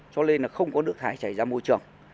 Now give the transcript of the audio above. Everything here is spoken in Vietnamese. cho nên là không có nước thải chảy ra môi trường